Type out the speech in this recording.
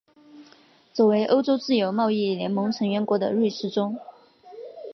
作为欧洲自由贸易联盟成员国的瑞士中。